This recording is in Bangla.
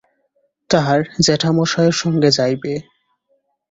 তাহার জেঠামশায়ের সঙ্গে যাইবে।